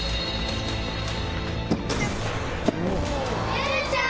めるちゃん！